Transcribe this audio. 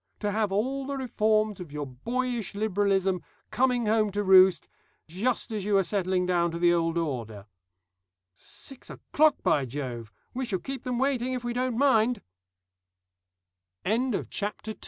To have all the reforms of your boyish liberalism coming home to roost, just as you are settling down to the old order.... "Six o'clock, by Jove! We shall keep them waiting if we don't mind." THE USE OF IDEALS "Ideals!"